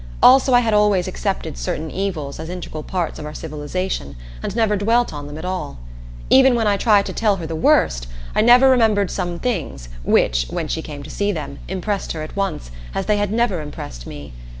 Also, I had always accepted certain evils as integral parts of our civilization and never dwelt on them at all. Even when I tried to tell her the worst, I never remembered some things which, when she came to see them, impressed her at once, as they had never impressed me.